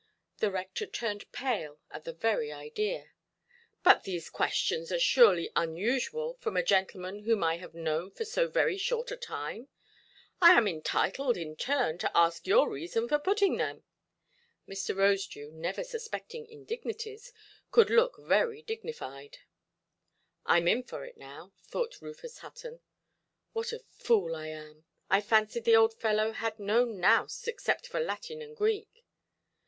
The rector turned pale at the very idea. "But these questions are surely unusual from a gentleman whom I have known for so very short a time. I am entitled, in turn, to ask your reason for putting them". Mr. Rosedew, never suspecting indignities, could look very dignified. "Iʼm in for it now", thought Rufus Hutton; "what a fool I am! I fancied the old fellow had no nous, except for Latin and Greek".